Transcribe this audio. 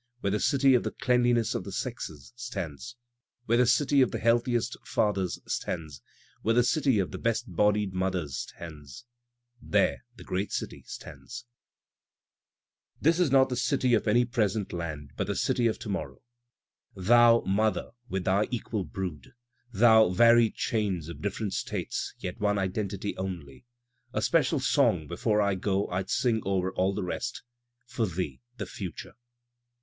Where the dty of the deanliness of the sexes stands. Where the dty of the healthiest fathers stands. Where the dty of the best bodied mothers stands. There the great dty stands. Digitized by Google WHITMAN 217 This is not the city of any present land but the city of to morrow. Thou Mother with thy equal brood. Thou varied cham of different States, yet one identity only, A special song before I go Fd sing o'er all the rest, For thee, the future.